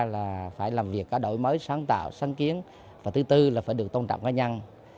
thứ ba là phải làm việc các đổi mới sáng tạo sáng kiến và thứ tư là phải được tôn trọng cá nhân